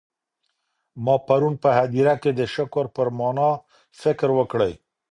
ما پرون په هدیره کي د شکر پر مانا فکر وکړی.